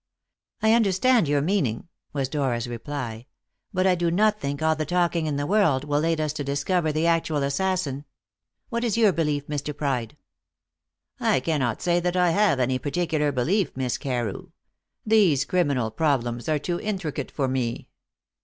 "I understand your meaning," was Dora's reply; "but I do not think all the talking in the world will aid us to discover the actual assassin. What is your belief, Mr. Pride?" "I cannot say that I have any particular belief, Miss Carew. These criminal problems are too intricate for me."